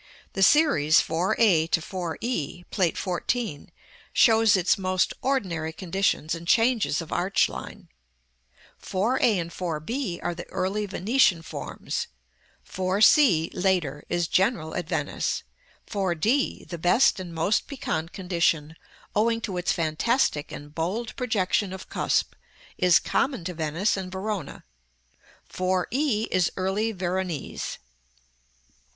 The series 4 a to 4 e, Plate XIV., shows its most ordinary conditions and changes of arch line: 4 a and 4 b are the early Venetian forms; 4 c, later, is general at Venice; 4 d, the best and most piquant condition, owing to its fantastic and bold projection of cusp, is common to Venice and Verona; 4 e is early Veronese.